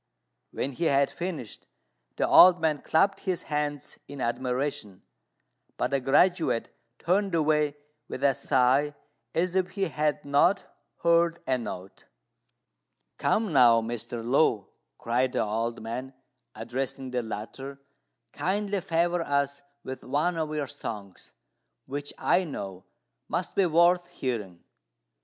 When he had finished, the old man clapped his hands in admiration; but the graduate turned away with a sigh, as if he had not heard a note. "Come now, Mr. Lu," cried the old man, addressing the latter, "kindly favour us with one of your songs, which, I know, must be worth hearing."